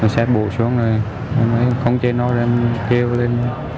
xe bụt xuống rồi em mới không chê nói em kêu lên